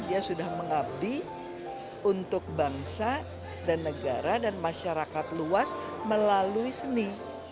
dia sudah mengabdi untuk bangsa dan negara dan masyarakat luas melalui seni